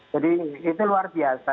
jadi itu luar biasa